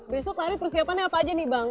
besok lari persiapannya apa aja nih bang